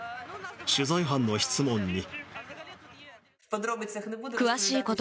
取材班の質問に。